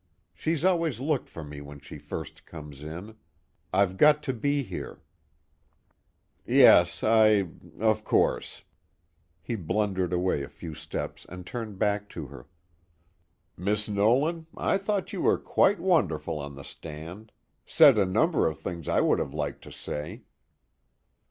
She's always looked for me when she first comes in. I've got to be here." "Yes, I of course." He blundered away a few steps and turned back to her. "Miss Nolan, I thought you were quite wonderful on the stand said a number of things I would have liked to say."